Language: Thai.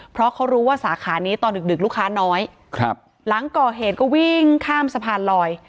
เพราะเขารู้ว่าสาขานี้ตอนดึกดึกลูกค้าน้อยครับหลังก่อเหตุก็วิ่งข้ามสะพานลอย